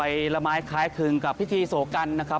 ละไม้คล้ายคลึงกับพิธีโสกันนะครับ